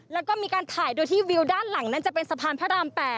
แล้วก็มีการถ่ายโดยที่วิวด้านหลังนั้นจะเป็นสะพานพระราม๘